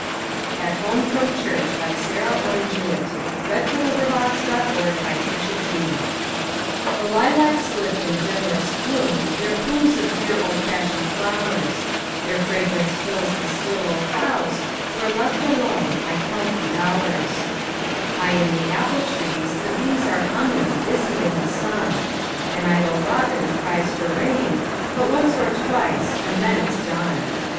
At Home From Church THE lilacs lift in generous bloom Their plumes of dear old fashioned flowers; Their fragrance fills the still old house Where left alone I count the hours. High in the apple trees the bees Are humming, busy in the sun, An idle robin cries for rain But once or twice and then is done.